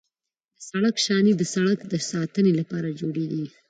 د سړک شانې د سړک د ساتنې لپاره جوړیږي